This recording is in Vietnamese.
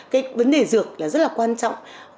cái vấn đề dược là rất là quan trọng